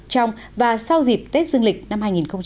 trong và sau dịp tết dương lịch năm hai nghìn một mươi chín